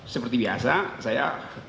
seperti biasa saya